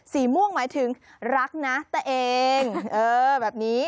สีม่วงหมายถึงรักนะตัวเองเออแบบนี้